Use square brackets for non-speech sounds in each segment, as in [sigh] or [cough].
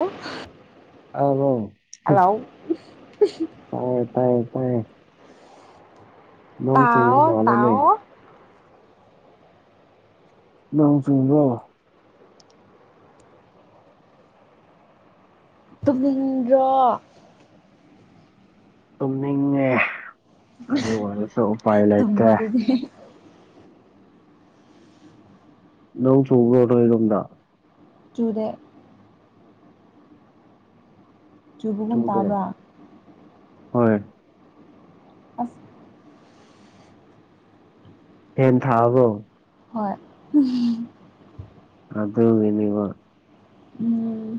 ꯍꯂ ꯑ ꯍꯣ ꯇꯌꯦ ꯇꯌꯦ ꯇꯌꯦꯦ ꯇꯑꯣ ꯃꯥꯜꯂꯦꯅꯦ ꯇꯑꯣ ꯅꯎ ꯆꯕꯣ ꯇꯨꯡꯃꯤꯗ꯭ꯔꯣ ꯇꯨꯝꯅꯤꯡꯉꯦ ꯑꯗꯨ ꯑꯣꯏꯅꯁꯨ ꯎꯄꯥꯏ ꯇꯨꯝꯃꯣ ꯂꯩꯇꯦ ꯑꯗꯨꯗꯤ ꯅꯧ ꯆꯨꯕꯣꯔꯗ ꯆꯨꯗꯦ ꯆꯨꯕꯒꯨꯝ ꯆꯨꯗꯦ ꯇꯥꯕ꯭ꯔꯥ ꯍꯣꯏ ꯑꯁ ꯍꯦꯦꯟ ꯊꯥꯕꯣ ꯍꯣꯏ ꯑꯗ ꯏꯅꯤꯕ ꯎꯝ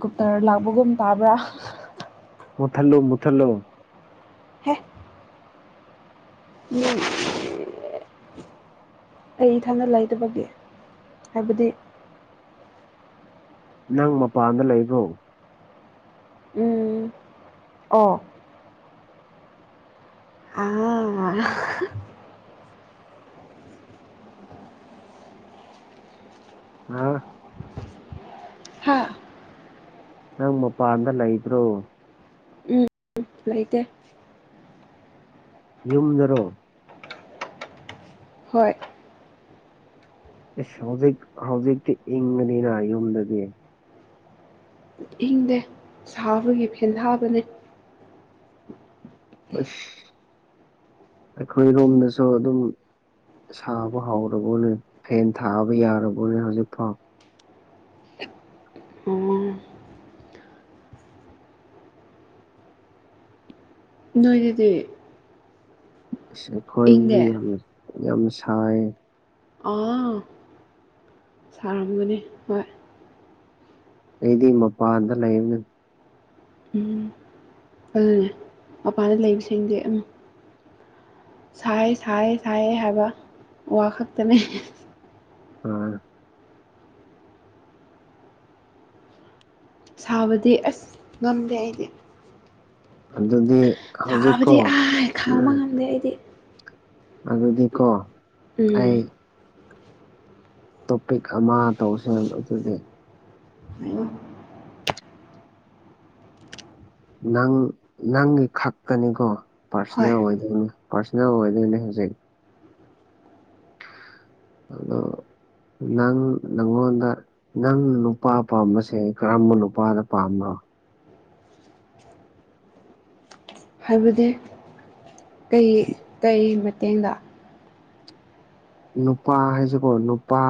ꯀꯨꯞꯇꯔ ꯂꯥꯛꯄꯒꯨꯝ ꯇꯥꯕ꯭ꯔꯥ ꯃꯨꯊꯜꯂꯨ ꯃꯨꯊꯜꯂꯨ ꯍꯦꯛ ꯎꯝ ꯑꯩ ꯏꯊꯥꯗ ꯂꯩꯇꯕꯒꯤ ꯍꯥꯏꯕꯗꯤ ꯅꯪ ꯃꯄꯥꯟꯗ ꯂꯩꯕ꯭ꯔꯣ ꯎꯝ ꯑꯣ ꯑ ꯑꯥ ꯍꯥ ꯅꯪ ꯃꯄꯥꯟꯗ ꯂꯩꯕ꯭ꯔꯣ ꯎꯝ ꯂꯩꯇꯦ ꯌꯨꯝꯗꯔꯣ? ꯍꯣꯏ ꯏꯁ ꯍꯧꯖꯤꯛ ꯍꯧꯖꯤꯛꯇꯤ ꯏꯪꯉꯅꯤꯅ ꯌꯨꯝꯗꯗꯤ ꯏꯪꯗꯦ ꯁꯥꯕꯒꯤ ꯐꯦꯟꯊꯥꯕꯅꯦ ꯑꯁ ꯑꯩꯈꯣꯏꯔꯣꯝꯗꯁꯨ ꯑꯗꯨꯝ ꯁꯥꯕ ꯍꯧꯔꯕꯣꯅꯦ ꯐꯦꯟ ꯊꯥꯕ ꯌꯥꯔꯕꯣꯅꯦ ꯍꯧꯖꯤꯛꯐꯥꯎ ꯑꯣ ꯅꯣꯏꯗꯗꯤ ꯏꯁ ꯑꯩꯈꯣꯏ ꯏꯪꯗꯦ ꯃꯤ ꯌꯥꯝ ꯌꯥꯝꯅ ꯁꯥꯏꯌꯦ ꯑꯥ ꯁꯥꯔꯝꯒꯅꯤ ꯍꯣꯏ ꯑꯩꯗꯤ ꯃꯄꯥꯟꯗ ꯂꯩꯕꯅꯦ ꯎꯝ ꯑꯗꯨꯅꯦ ꯃꯄꯥꯟꯗ ꯂꯩꯕꯁꯤꯡꯗꯤ ꯑꯝ ꯁꯥꯏ ꯁꯥꯏ ꯁꯥꯏꯑꯦ ꯍꯥꯏꯕ ꯋꯥ ꯈꯛꯇꯅꯤ꯫ ꯑꯥ ꯁꯥꯕꯗꯤ ꯑꯁ ꯉꯝꯗꯦ ꯑꯩꯗꯤ ꯑꯗꯨꯗꯤ ꯍꯧꯖꯤꯛꯀꯣ ꯁꯥꯕꯗꯤ ꯎꯝ ꯑꯥꯏ ꯈꯥꯡꯕ ꯉꯝꯗꯦ ꯑꯩꯗꯤ ꯑꯗꯨꯗꯤꯀꯣ ꯑꯩ ꯎꯝ ꯇꯣꯄꯤꯛ ꯑꯃ ꯇꯧꯁꯦ ꯑꯗꯨꯗꯤ ꯅꯪ ꯅꯪꯒꯤ ꯈꯛꯀꯅꯤꯀꯣ ꯍꯣꯏ ꯄꯥꯔꯁꯅꯦꯜ ꯑꯣꯏꯒꯤꯅꯨ ꯄꯔꯁꯅꯦꯜ ꯑꯣꯏꯗꯣꯏꯅꯦ ꯍꯧꯖꯤꯛ [inaudible] [unintelligible] ꯑꯗꯣ ꯅꯪ ꯅꯪꯉꯣꯟꯗ ꯅꯪ ꯅꯨꯄꯥ ꯄꯥꯝꯕꯁꯦ ꯀꯔꯝꯕ ꯅꯨꯄꯥꯗ ꯄꯥꯝꯕ꯭ꯔꯣ? ꯍꯥꯏꯕꯗꯤ ꯀꯩ ꯀꯩ ꯃꯇꯦꯡꯗ ꯅꯨꯄꯥ ꯍꯥꯏꯁꯤꯀꯣ ꯅꯨꯄꯥ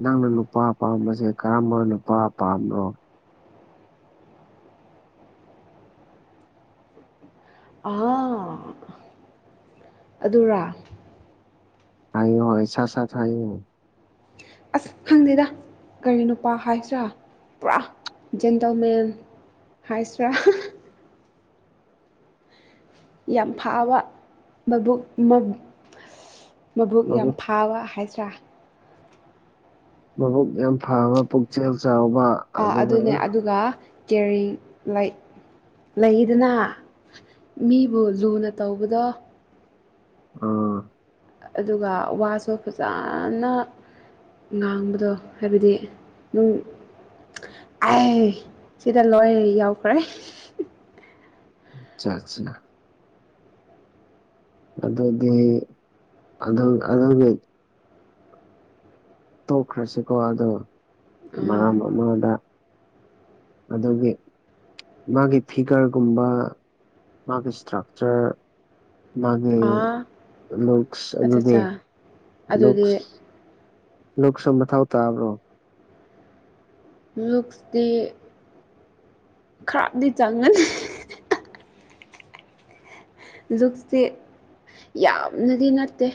ꯅꯪꯅ ꯅꯨꯄꯥ ꯄꯥꯝꯕꯁꯦ ꯀꯔꯝꯕ ꯅꯨꯄꯥ ꯄꯥꯝꯕꯅꯣ ꯑꯗꯨꯔ ꯍꯥꯏꯑꯣ ꯑ ꯁꯠ-ꯁꯠ ꯍꯥꯏꯌꯣ ꯑꯁ ꯈꯪꯗꯦꯗ ꯀꯔꯤ ꯅꯨꯄꯥ ꯍꯥꯏꯁ꯭ꯔꯥ ꯄꯨꯔꯥ ꯖꯦꯟꯇꯜꯃꯦꯟꯠ ꯍꯥꯏꯁ꯭ꯔꯥ ꯌꯥꯝ ꯐꯥꯕ ꯃꯕꯨꯛ ꯃꯕ ꯑꯁꯁ ꯃꯕꯨꯛ ꯌꯥꯝ ꯐꯥꯕ ꯍꯥꯏꯖ꯭ꯔꯥ ꯃꯕꯨꯛ ꯌꯥꯝ ꯐꯕ ꯄꯨꯛꯆꯦꯜ ꯆꯥꯎꯕ ꯑꯗꯨꯒ ꯀꯦꯔꯤꯡ ꯂꯩ ꯂꯩꯗꯅ ꯃꯤꯕꯨ ꯂꯨꯅ ꯇꯧꯕꯗꯣ꯫ ꯑꯥ ꯑꯗꯨꯒ ꯋꯥꯁꯨ ꯐꯖꯅ ꯉꯥꯡꯕꯗꯣ ꯍꯥꯏꯕꯗꯤ ꯅꯨꯡ ꯑꯥꯏ ꯁꯤꯗ ꯂꯣꯏ ꯌꯥꯎꯈ꯭ꯔꯦ ꯆꯠꯁꯤꯅ ꯑꯗꯨꯗꯤ ꯑꯗꯨꯝ ꯑꯗꯨꯒꯤ ꯇꯣꯛꯈ꯭ꯔꯁꯤꯀꯣ ꯑꯗꯣ ꯑꯥ ꯃꯔꯝ ꯑꯃꯗ ꯑꯗꯨꯒꯤ ꯃꯥꯒꯤ ꯐꯤꯒꯔꯒꯨꯝꯕ ꯃꯥꯒꯤ ꯏꯁꯇ꯭ꯔꯛꯆꯔ ꯃꯥꯒꯤ ꯑꯥ ꯂꯁ ꯑꯠꯆꯥ ꯑꯗꯨꯗꯤ ꯆꯥ ꯑꯗꯨꯗꯤ ꯂꯁ ꯁ ꯁ ꯃꯊꯊꯧ ꯇ꯭ꯔꯣ ꯂꯨꯛꯁꯇꯤ ꯈꯔꯞꯗꯤ ꯆꯪꯒꯅꯤ ꯂꯨꯛꯁꯦ ꯌꯥꯝꯅꯗꯤ ꯅꯠꯇꯦ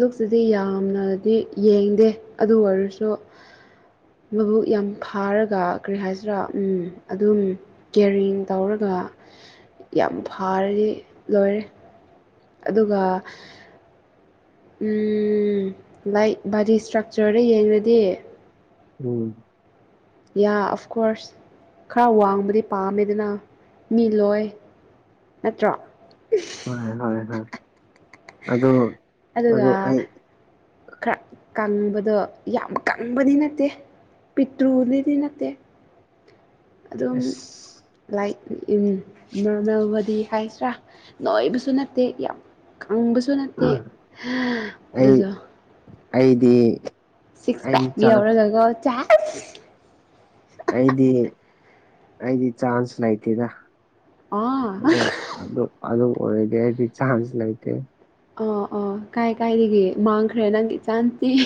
ꯂꯨꯛꯁꯤꯗꯤ ꯌꯥꯝꯅꯗꯤ ꯌꯦꯡꯗꯦ ꯑꯗꯨ ꯑꯣꯏꯔꯁꯨ ꯃꯕꯨꯛ ꯌꯥꯝ ꯐꯥꯔꯒ ꯀꯔꯤ ꯍꯥꯏꯁꯤꯔꯥ ꯎꯝ ꯑꯗꯨꯝ ꯀꯦꯔꯤꯡ ꯇꯧꯔꯒ ꯌꯥꯝ ꯐꯥꯔꯗꯤ ꯂꯣꯏꯔꯦ ꯑꯗꯨꯒ ꯎꯝ ꯂꯥꯏꯛ ꯕꯥꯗꯤ ꯏꯁꯇ꯭ꯔꯛꯆꯔꯗ ꯌꯦꯡꯉꯗꯤ ꯎꯝ ꯌꯥ ꯑꯐ ꯀꯣꯔꯁ ꯈꯔ ꯋꯥꯡꯕꯗꯤ ꯄꯥꯝꯃꯦꯗꯅ ꯃꯤ ꯂꯣꯏ ꯅꯠꯇ꯭ꯔꯣ ꯍꯣꯏ ꯍꯣꯏ ꯍꯣꯏ ꯑꯗꯣ ꯑꯗꯨꯒ ꯑꯗꯣ ꯑꯩ ꯀꯪꯕꯗꯣ ꯌꯥꯝ ꯀꯪꯕꯗꯤ ꯅꯠꯇꯦ ꯄꯤꯇ꯭ꯔꯨꯗꯤꯗꯤ ꯅꯠꯇꯦ ꯑꯗꯨꯝ ꯑꯁ ꯂꯥꯏꯛ ꯅꯣꯔꯃꯦꯜ ꯕꯣꯗꯤ ꯍꯥꯏꯁꯤ꯭ꯔꯥ ꯅꯣꯏꯕꯁꯨ ꯅꯠꯇꯦ ꯌꯥꯝ ꯑꯪꯕꯁꯨ ꯅꯠꯇꯦ ꯑꯩ ꯑꯗꯨꯗꯣ ꯑꯩꯗꯤ ꯁꯤꯛꯁ ꯑꯩꯗꯤ ꯄꯦꯛ ꯆꯥꯟꯁ ꯌꯥꯎꯔꯒꯒ ꯆ ꯑꯩꯗꯤ ꯑꯩꯗꯤ ꯆꯥꯟꯁ ꯂꯥꯏꯇꯦꯗ ꯑꯥ ꯑꯣ ꯑꯗꯨꯣ ꯑꯗꯨ ꯑꯣꯏꯔꯒꯦ ꯍꯥꯏꯗꯤ ꯆꯥꯟꯁ ꯂꯩꯇꯦ ꯑ ꯑꯥ ꯀꯥꯏ ꯀꯥꯏꯒꯦ ꯃꯥꯡꯈ꯭ꯔꯦ ꯅꯪꯒꯤ ꯆꯥꯟꯁꯤꯤ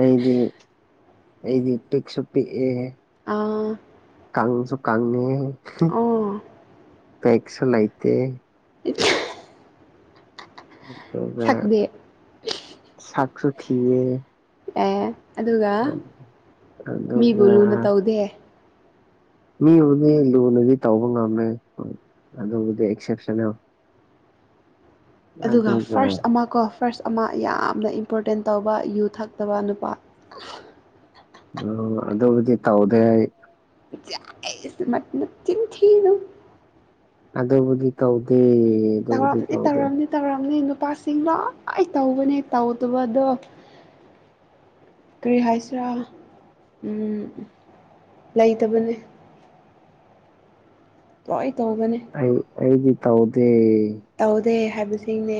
ꯑꯩꯗꯤ ꯑꯩꯗꯤ ꯄꯤꯛꯁꯨꯣꯄꯤꯤ ꯑꯥ ꯀꯥꯡꯪꯁꯨ ꯀꯪꯉꯦ ꯑꯣ ꯄꯦꯛꯁꯨ ꯂꯩꯇꯦ ꯑꯗꯨꯒ ꯁꯛꯗꯦ ꯆꯥꯛꯨ ꯊꯦꯌꯦ ꯑꯦ ꯑꯗꯨꯒ ꯃꯤꯕꯨ ꯑꯗꯨꯒ ꯂꯨꯅ ꯇꯧꯗꯦ ꯃꯤꯕꯨꯗꯤ ꯂꯨꯅꯗꯤ ꯇꯧꯕ ꯉꯝꯃꯦ ꯍꯣꯏ ꯑꯗꯨꯕꯨꯗꯤ ꯑꯦꯛꯁꯦꯞꯁꯟꯅ ꯑꯗꯨꯒ ꯐꯥꯔꯁ ꯑꯃ ꯀꯣ ꯐꯥꯔꯁ ꯑꯃ ꯌꯥꯝꯅ ꯏꯝꯄꯣꯔꯇꯦꯟ ꯇꯧꯕ ꯌꯨ ꯊꯛꯇꯕ ꯅꯨꯄꯥ ꯑꯣ ꯑꯗꯨꯕꯨꯗꯤ ꯇꯧꯗꯦ ꯍꯥꯏ ꯁ ꯃ ꯆꯤꯟꯊꯨ ꯑꯗꯕꯨꯗꯤ ꯇꯥꯎꯗꯦ ꯇꯧꯔꯝꯅꯤ ꯇꯧꯔꯝꯅꯤ ꯇꯧꯔꯝꯅꯤ ꯅꯨꯄꯥꯁꯤꯡꯗꯣ ꯑꯩ ꯇꯧꯕꯅꯦ ꯇꯧꯗꯕ ꯑꯗꯣ ꯀꯔꯤ ꯍꯥꯏꯁꯤꯔꯥ ꯎ ꯂꯩꯇꯕꯅꯦ ꯇꯏ ꯑꯩ ꯑꯩꯒꯤ ꯇꯥꯎꯗꯦ ꯇꯧꯗꯦ ꯍꯥꯏꯕꯁꯤꯡꯅꯦ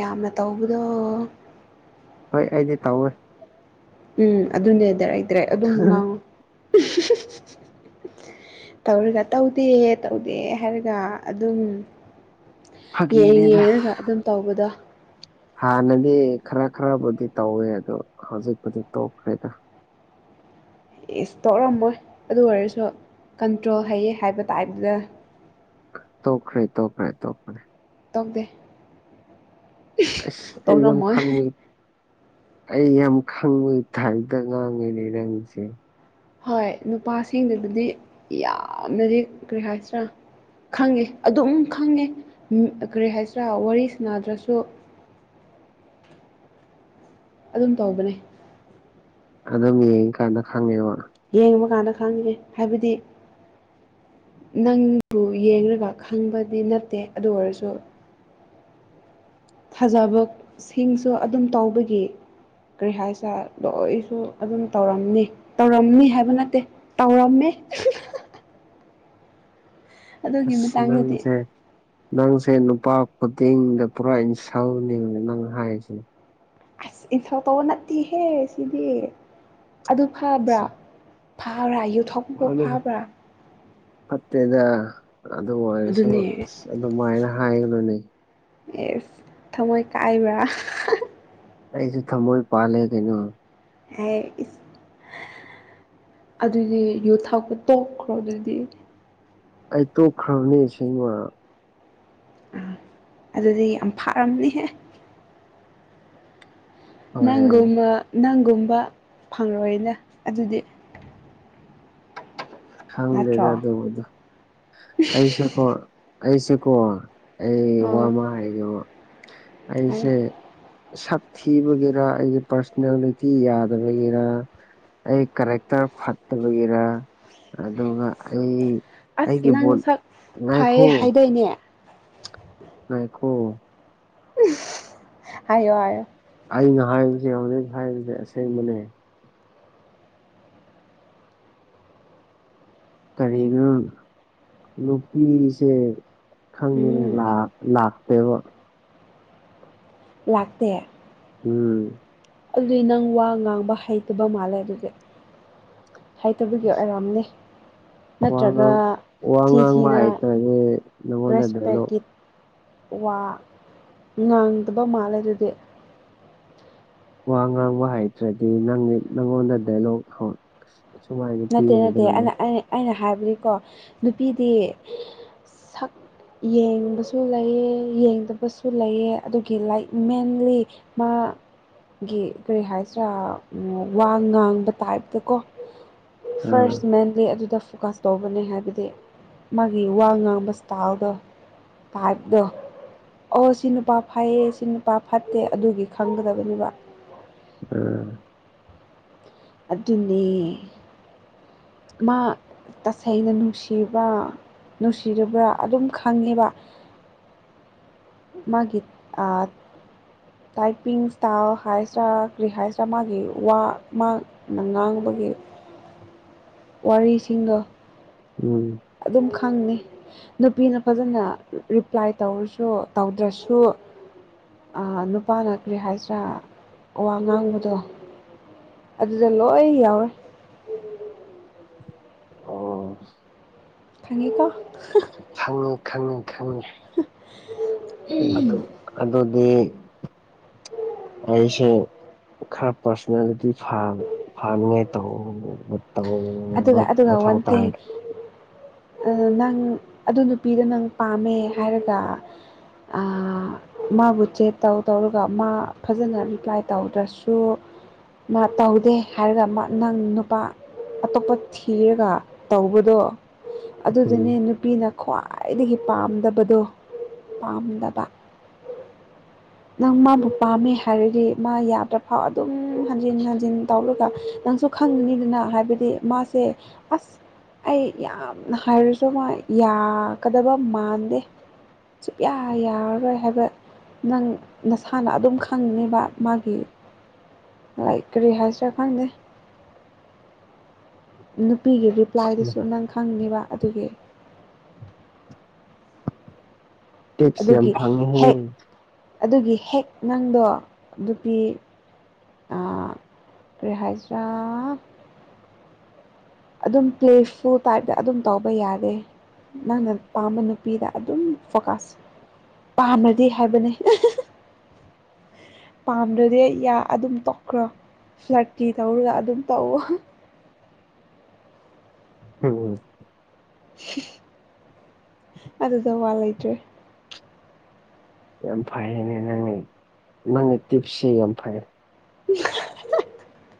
ꯌꯥꯝꯅ ꯇꯧꯕꯗꯣ ꯍꯣꯏ ꯑꯩꯗꯤ ꯇꯧꯑꯣꯦ ꯎꯝ ꯑꯗꯨꯅꯦꯗ ꯂꯩꯇ꯭ꯔꯦ ꯑꯗꯨꯝ ꯉꯥꯡꯉꯨ ꯇꯧꯔꯒ ꯇꯧꯗꯦ ꯇꯧꯗꯦ ꯍꯥꯏꯔꯒ ꯑꯗꯨꯝ ꯐꯥꯒꯤꯅꯤꯗ ꯌꯦꯡꯔꯒ ꯑꯗꯨꯝ ꯇꯧꯕꯗꯣ ꯍꯥꯟꯅꯗꯤ ꯈꯔ ꯈꯔꯕꯨꯗꯤ ꯇꯧꯋꯦ ꯑꯗꯣ ꯍꯧꯖꯤꯛꯄꯨꯗꯤ ꯇꯣꯛꯈ꯭ꯔꯦꯗ ꯏꯁ ꯇꯧꯔꯝꯃꯣꯏ ꯑꯗꯨ ꯑꯣꯏꯔꯁꯨ ꯀꯟꯇ꯭ꯔꯣꯜ ꯍꯩꯌꯦ ꯍꯥꯏꯕ ꯇꯥꯏꯞꯇꯗ ꯇꯣꯈꯔꯦ ꯇꯣꯈ꯭ꯔꯦ ꯇꯣꯈꯔꯦ ꯇꯧꯗꯦ ꯑꯝ ꯇꯧꯔꯝꯃꯣꯏ ꯈꯪꯃꯤ ꯌꯥꯝ ꯈꯪꯕꯩ ꯇꯥꯏꯞꯇ ꯉꯥꯡꯉꯦꯅꯦ ꯉꯪꯁꯦ ꯍꯣꯏ ꯅꯨꯄꯥꯁꯤꯡꯗꯕꯨꯗꯤ ꯌꯥꯝꯅꯗꯤ ꯀꯔꯤ ꯍꯥꯏꯁꯤꯔꯥ ꯈꯪꯉꯦ ꯑꯗꯨꯝ ꯈꯪꯉꯦ ꯀꯔꯤ ꯍꯥꯏꯁꯤꯔꯥ ꯋꯥꯔꯤꯁꯥꯟꯅꯗ꯭ꯔꯁꯨ [inaudible] ꯑꯗꯨꯝ ꯇꯧꯕꯅꯦ ꯑꯗꯨꯝ ꯌꯦꯡꯉꯀꯥꯟꯗ ꯈꯪꯉꯦꯕ ꯌꯦꯡꯕꯀꯥꯟꯗ ꯈꯪꯉꯦ ꯍꯥꯏꯕꯗꯤ ꯅꯪꯕꯨ ꯌꯦꯡꯂꯒ ꯈꯪꯕꯗꯤ ꯅꯠꯇꯦ ꯑꯗꯨ ꯑꯣꯏꯔꯁꯨ ꯊꯥꯖꯕ ꯁꯤꯡꯁꯨ ꯑꯗꯨꯝ ꯇꯧꯕꯒꯤ ꯀꯔꯤ ꯍꯥꯏꯁꯦꯔ ꯂꯣꯏꯁꯨ ꯑꯗꯨꯝ ꯇꯧꯔꯝꯅꯤ ꯇꯧꯔꯝꯅꯤ ꯍꯥꯏꯕ ꯅꯠꯇꯦ ꯇꯧꯔꯝꯃꯦ [unintelligible] ꯑꯗꯨꯒꯤ ꯑꯁ ꯃꯇꯥꯡꯗꯗꯤ ꯉꯪꯁꯦ ꯅꯪꯁꯦ ꯅꯨꯄꯥ ꯈꯨꯗꯤꯡꯗ ꯄꯨꯔꯥ ꯏꯟꯁꯜꯠꯅꯦ ꯅꯪ ꯍꯥꯏꯔꯤꯁꯦ ꯑꯁ ꯏꯊꯧ ꯇꯧꯕ ꯅꯠꯇꯦꯍꯦ ꯁꯤꯗꯤ ꯑꯗꯨ ꯐꯕ꯭ꯔꯥ ꯐꯥꯕ꯭ꯔꯥ ꯌꯨꯊꯣꯛꯄꯕꯨ ꯐꯥꯕ꯭ꯔꯥ ꯐꯠꯇꯦꯗ ꯑꯗꯨ ꯑꯣꯏꯔꯁꯨ ꯑꯗꯨꯅꯦ ꯑꯁ ꯑꯗꯨꯃꯥꯏꯅ ꯍꯥꯏꯒꯅꯨꯅꯦ ꯑꯦꯁ ꯊꯃꯣꯏ ꯀꯥꯏꯕ꯭ꯔꯥ ꯑꯩꯁꯨ ꯊꯃꯣꯏ ꯄꯥꯜꯂꯦ ꯀꯩꯅꯣ ꯍꯥꯏ ꯏꯁ ꯑꯗꯨꯗꯤ ꯌꯨ ꯊꯥꯛꯄ ꯇꯣꯛꯈ꯭ꯔꯣ ꯑꯗꯨꯗꯤ ꯑꯩ ꯇꯣꯛ ꯈꯔꯕꯅꯦ ꯑꯁꯦꯡꯕ ꯑꯥ ꯑꯗꯨꯗꯤ ꯌꯥꯝ ꯐꯥꯔꯝꯅꯤꯍꯦ ꯍꯣꯏ ꯅꯪꯒꯨꯝꯅ ꯅꯪꯒꯨꯝꯕ ꯐꯪꯂꯣꯏꯅ ꯑꯗꯨꯗꯤ ꯈꯪꯗꯦꯗ ꯅꯠꯇ꯭ꯔꯣ ꯑꯗꯨꯕꯨꯗꯨ ꯑꯩꯁꯦꯀꯣ ꯑꯩꯁꯦꯀꯣ ꯑꯩ ꯑꯣ ꯋꯥꯃꯥ ꯍꯥꯏꯒꯦꯕꯥ ꯍꯥꯏꯌꯣ ꯑꯩꯁꯦ ꯁꯛ ꯊꯤꯕꯒꯤꯔꯥ ꯑꯩꯒꯤ ꯄꯥꯔꯁꯅꯦꯂꯤꯇꯤ ꯌꯥꯗꯕꯒꯤꯔꯥ ꯑꯩ ꯀꯦꯔꯦꯛꯇꯔ ꯐꯠꯇꯕꯒꯤꯔ ꯑꯗꯨꯒ ꯑꯩ ꯑꯁ ꯑꯩꯒꯤ ꯅꯪ ꯕꯣꯠ ꯁꯛ ꯉꯥꯏꯈꯣ ꯐꯩꯌꯦ ꯍꯥꯏꯗꯥꯏꯅꯦ ꯉꯥꯏꯈꯣ ꯍꯥꯏꯌꯣ ꯍꯥꯏꯌꯣ ꯑꯩꯅ ꯍꯥꯏꯕꯁꯦ ꯍꯧꯖꯤꯛ ꯍꯥꯏꯔꯤꯁꯦ ꯑꯁꯦꯡꯕꯅꯦ ꯀꯔꯤꯒꯤꯅꯣ ꯅꯨꯄꯤꯁꯦ ꯈꯪꯉꯦꯅ ꯎꯝ ꯂꯥꯛ ꯂꯥꯛꯇꯦꯕ ꯂꯥꯛꯇꯦ ꯎꯝ ꯑꯗꯨꯗꯤ ꯅꯪ ꯋꯥ ꯉꯥꯡꯕ ꯍꯩꯇꯕ ꯃꯥꯜꯂꯦ ꯑꯗꯨꯗꯤ ꯍꯥꯏꯇꯕꯒꯤ ꯑꯣꯏꯔꯝꯅꯤ ꯋꯥ ꯅꯠꯇ꯭ꯔꯒ ꯉꯥꯡ ꯋꯥ ꯊꯤ ꯉꯥꯡꯕ ꯊꯤꯅ ꯍꯩꯇ꯭ꯔꯗꯤ ꯅꯉꯣꯟꯗ ꯗꯥꯏꯂꯣꯛ ꯔꯦꯁꯄꯦꯛꯀꯤ ꯋꯥ ꯉꯥꯡꯗꯕ ꯃꯥꯜꯂꯦ ꯑꯗꯨꯗꯤ ꯋꯥ ꯉꯥꯡꯕ ꯍꯥꯏꯇ꯭ꯔꯗꯤ ꯅꯪ ꯅꯪꯉꯣꯟꯗ ꯗꯥꯏꯂꯣꯛ ꯍꯧꯔꯛ ꯅꯠꯇꯦ ꯅꯠꯇꯦ ꯑꯩꯅ ꯑꯩꯅ ꯑꯩꯅ ꯍꯥꯏꯕꯗꯤꯀꯣ ꯅꯨꯄꯤꯗꯤ ꯁꯛ ꯌꯦꯡꯕꯁꯨ ꯂꯩꯌꯦ ꯌꯦꯡꯗꯕꯁꯨ ꯂꯩꯌꯦ ꯑꯗꯨꯒꯤ ꯂꯥꯏꯛ ꯃꯦꯟꯂꯤ ꯃꯥ ꯒꯤ ꯀꯔꯤ ꯍꯥꯏꯁꯤ꯭ꯔꯥ ꯋꯥ ꯉꯥꯡꯕ ꯇꯥꯏꯞꯇꯀꯣ ꯑꯥ ꯐꯥꯔꯁ ꯃꯦꯟꯂꯤ ꯑꯗꯨꯗ ꯐꯣꯀꯁ ꯇꯧꯕꯅꯦ ꯍꯥꯏꯕꯗꯤ ꯃꯥꯒꯤ ꯋꯥ ꯉꯥꯡꯕ ꯏꯁꯇꯥꯏꯜꯗꯣ ꯇꯢꯕꯗꯣ ꯑꯣ ꯁꯤ ꯅꯨꯄꯥ ꯐꯩꯌꯦ ꯁꯤ ꯅꯨꯄꯥ ꯐꯠꯇꯦ ꯑꯗꯨꯒꯤ ꯈꯪꯒꯗꯕꯅꯦꯕ ꯎꯝ ꯑꯗꯨꯅꯦ ꯃꯥ ꯇꯁꯦꯡꯅ ꯅꯨꯡꯁꯤꯕ꯭ꯔ ꯅꯨꯡꯁꯤꯔꯕ꯭ꯔꯥ ꯑꯗꯨꯝ ꯈꯪꯉꯦꯕ ꯃꯥꯒꯤ ꯑ ꯇꯥꯏꯄꯤꯡ ꯏꯁꯇꯥꯏꯜ ꯍꯥꯏꯁ꯭ꯔꯥ ꯀꯔꯤ ꯍꯥꯏꯁ꯭ꯔꯥ ꯃꯥꯒꯤ ꯋꯥꯅ ꯉꯥꯡꯕ ꯋꯥꯔꯤꯁꯤꯡꯗꯣ ꯎꯝ ꯑꯗꯨꯝ ꯈꯪꯅꯤ ꯅꯨꯄꯤꯅ ꯐꯖꯅ ꯔꯤꯄ꯭ꯂꯥꯏ ꯇꯧꯔꯁꯨ ꯇꯧꯗ꯭ꯔꯁꯨ ꯅꯨꯄꯥꯅ ꯀ꯭ꯔꯔꯤ ꯍꯥꯏꯁꯤꯔꯥ ꯋꯥ ꯉꯥꯡꯕꯗꯣ ꯑꯗꯨꯗ ꯂꯣꯢ ꯌꯥꯎꯢ ꯑꯣ ꯈꯪꯉꯤꯀꯣ ꯈꯪꯉꯤ ꯈꯪꯉꯤ ꯈꯪꯉꯤ ꯑꯗꯨ ꯑꯗꯨꯗꯤ ꯑꯩꯁꯦ ꯈꯔꯞ ꯄꯔꯁꯅꯦꯂꯤꯇꯤ ꯐ ꯐꯅꯤꯡ ꯉꯥꯢ ꯇꯧꯕ ꯑꯗꯨꯒ ꯑꯗꯨꯒ ꯃꯊꯧ ꯋꯥꯟ ꯇꯥꯢ ꯊꯤꯡ ꯅꯪ ꯑꯗꯨ ꯅꯨꯄꯤꯗꯣ ꯅꯪ ꯄꯥꯝꯃꯦ ꯍꯥꯏꯔꯒ ꯃꯥꯕꯨ ꯆꯦꯠ ꯇꯧ ꯇꯧꯔꯒ ꯃꯥ ꯐꯖꯅ ꯔꯤꯄ꯭ꯂꯥꯏ ꯇꯧꯗ꯭ꯔꯁꯨ ꯃꯠ ꯇꯧꯗꯦ ꯍꯥꯏꯔꯒ ꯅꯪ ꯅꯨꯄꯥ ꯑꯇꯣꯞꯄ ꯊꯤꯔꯒ ꯇꯧꯕꯗꯣ ꯑꯗꯨꯗꯨꯅꯦ ꯎꯝ ꯅꯨꯄꯤꯅ ꯈ꯭ꯋꯥꯏꯗꯒꯤ ꯄꯥꯝꯗꯕꯗꯣ ꯄꯥꯝꯗꯕ ꯅꯪ ꯃꯥꯕꯨ ꯄꯥꯝꯃꯦ ꯍꯥꯏꯔꯗꯤ ꯃꯥ ꯌꯥꯗ꯭ꯔꯐꯥꯎ ꯑꯗꯨꯝ ꯍꯟꯖꯤꯟ ꯍꯟꯖꯤꯟ ꯇꯧꯔꯒ ꯅꯪꯁꯨ ꯈꯪꯅꯤꯡꯅꯤꯗꯅ ꯍꯥꯏꯕꯗꯤ ꯃꯥꯁꯦ ꯑꯁ ꯑꯩ ꯌꯥꯝꯅ ꯍꯥꯏꯔꯁꯨ ꯃꯥ ꯌꯥꯒꯗꯕ ꯃꯥꯟꯗꯦ ꯁꯨꯛꯌꯥ ꯌꯥꯔꯔꯣꯏ ꯍꯥꯏꯕ ꯅꯪ ꯅꯁꯥꯅ ꯑꯗꯨꯝ ꯈꯪꯅꯦꯕ ꯃꯥꯒꯤ ꯂꯥꯏꯀꯔꯤꯍꯖ ꯈꯗ ꯅꯨꯄꯤꯒꯤ ꯔꯤꯄ꯭ꯂꯥꯏꯗꯨꯁꯨ ꯅꯪ ꯈꯪꯅꯤꯕ ꯑꯗꯨꯒꯤ ꯇꯦꯛꯞꯁꯤ ꯌꯥꯝ ꯑꯗꯨꯒꯤ ꯐꯪꯉꯤꯍ ꯍꯦꯛ ꯑꯗꯨꯒꯤ ꯍꯦꯛ ꯅꯪꯗꯣ ꯅꯨꯄꯤ ꯇ꯭ꯔꯦꯍꯖꯔ ꯑꯗꯨꯝ ꯄ꯭ꯂꯦꯐꯨ ꯇꯥꯏꯞꯇ ꯑꯗꯨꯝ ꯇꯧꯕ ꯌꯥꯔꯦ ꯅꯪꯅ ꯄꯥꯝꯕ ꯅꯨꯄꯤꯗ ꯑꯗꯨꯝ ꯐꯣꯀꯥꯁ ꯄꯥꯝꯅꯗꯤ ꯍꯥꯏꯕꯅꯤ ꯄꯥꯝꯗ꯭ꯔꯗꯤ ꯌꯥ ꯑꯗꯨꯝ ꯇꯣꯛꯈ꯭ꯔꯣ ꯐ꯭ꯂꯔꯀꯤ ꯇꯧꯔꯒ ꯑꯗꯨꯝ ꯇꯧꯋ ꯎꯝ ꯑꯗꯨꯗ ꯋꯥ ꯂꯩꯇ꯭ꯔꯦ ꯑꯝꯐꯅꯦ ꯅꯪꯅ ꯅꯪꯅ ꯇꯤꯞꯁꯤ ꯑꯐ ꯎꯝ